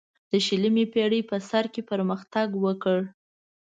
د شلمې پیړۍ په سر کې پرمختګ وکړ.